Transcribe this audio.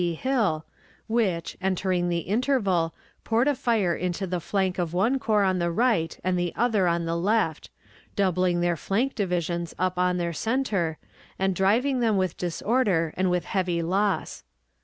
P. Hill, which, entering the interval, poured a fire into the flank of one corps on the right and the other on the left, doubling their flank divisions up on their center, and driving them with disorder and with heavy loss.